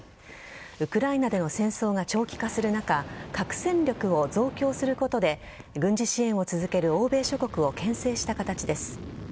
ウクライナでの戦争が長期化する中核戦力を増強することで軍事支援を続ける欧米諸国をけん制した形です。